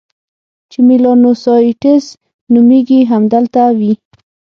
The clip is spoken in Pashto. چې میلانوسایټس نومیږي، همدلته وي.